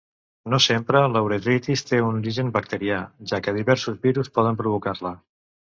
No sempre la uretritis té un origen bacterià, ja que diversos virus poden provocar-la.